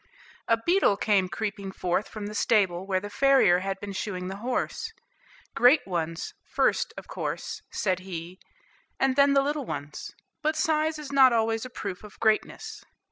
A beetle came creeping forth from the stable, where the farrier had been shoeing the horse. "Great ones, first, of course," said he, "and then the little ones; but size is not always a proof of greatness."